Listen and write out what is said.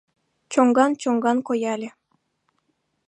Чоҥган-чоҥган кояле.